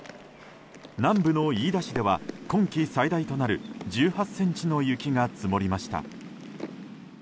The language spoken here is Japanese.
南部の飯田市では今季最大となる１８ｃｍの雪が積もりました。